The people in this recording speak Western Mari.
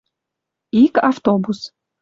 Ик автобус